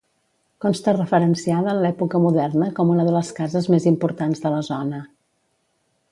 Consta referenciada en l'època moderna com una de les cases més importants de la zona.